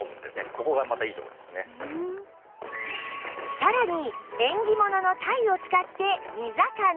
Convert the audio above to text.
さらに縁起物の鯛を使って煮魚